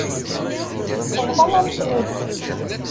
Bḍan-am-ten-id.